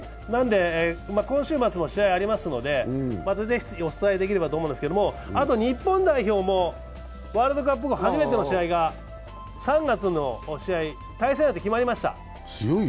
今週末も試合、ありますのでお伝えできればと思いますけども日本代表もワールドカップ後初めての試合が３月の試合、対戦相手が決まりました。